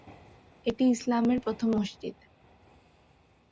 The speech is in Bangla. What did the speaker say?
এটি ইসলামের প্রথম মসজিদ।